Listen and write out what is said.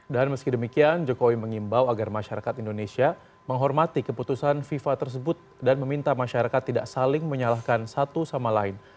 dan meski demikian jokowi mengimbau agar masyarakat indonesia menghormati keputusan fifa tersebut dan meminta masyarakat tidak saling menyalahkan satu sama lain